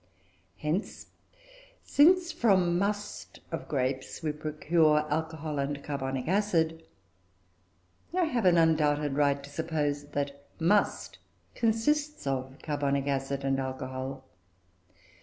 "Hence, since from must of grapes we procure alcohol and carbonic acid, I have an undoubted right to suppose that must consists of carbonic acid and alcohol.